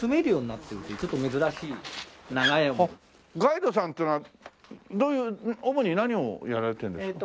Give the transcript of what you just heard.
ガイドさんっていうのはどういう主に何をやられてるんですか？